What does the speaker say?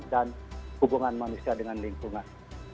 dan hubungan manusia dengan lingkungan